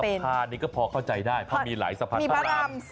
ท่านี้ก็พอเข้าใจได้เพราะมีหลายสะพานพระราม๓